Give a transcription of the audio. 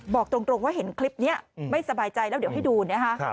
บอกตรงว่าเห็นคลิปนี้ไม่สบายใจแล้วเดี๋ยวให้ดูนะคะ